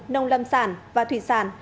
nông lâm sản và thủy sản